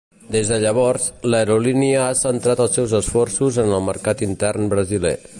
Des de llavors, l'aerolínia ha centrat els seus esforços en el mercat intern brasiler.